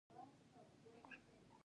په تولید کې توکي جوړیږي.